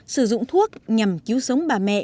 sử dụng thuốc nhằm cứu sống bà mẹ